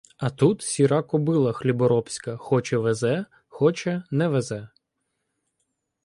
А тут — сіра кобила хліборобська: хоче — везе, хоче — не везе.